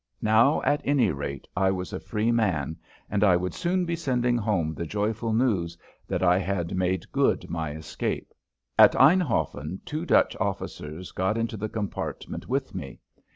Now, at any rate, I was a free man and I would soon be sending home the joyful news that I had made good my escape. At Einhoffen two Dutch officers got into the compartment with me.